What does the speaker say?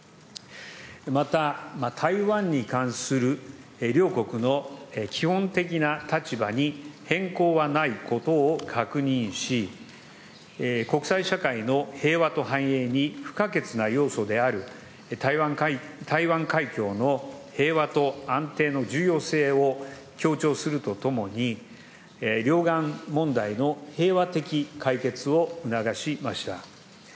また、台湾に関する両国の基本的な立場に変更はないことを確認し、国際社会の平和と繁栄に不可欠な要素である、台湾海峡の平和と安定の重要性を強調するとともに、両岸問題の平和的解決を促しました。